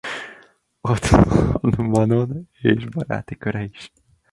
Ott van Manon és baráti köre is.